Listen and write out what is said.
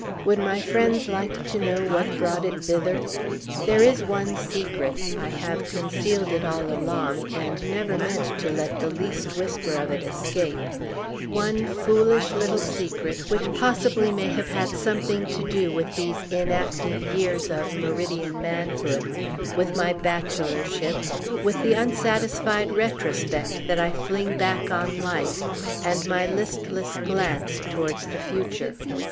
Would my friends like to know what brought it thither? There is one secret, I have concealed it all along, and never meant to let the least whisper of it escape, one foolish little secret, which possibly may have had something to do with these inactive years of meridian manhood, with my bachelorship, with the unsatisfied retrospect that I fling back on life, and my listless glance towards the future.